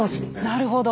なるほど。